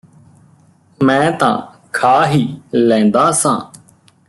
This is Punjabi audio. ਮੈਂ ਤਾਂ ਖਾ ਹੀ ਲੈਂਦਾ ਸਾਂ